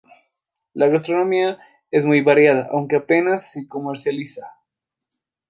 La gastronomía es muy variada, aunque apenas se comercializa.